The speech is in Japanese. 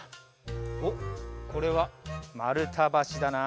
おっこれはまるたばしだな。